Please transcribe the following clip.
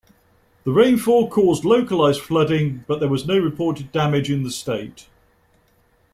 The rainfall caused localized flooding, but there was no reported damage in the state.